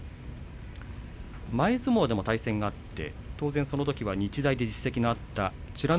前相撲でも対戦があってそのときは日大で実績があった美ノ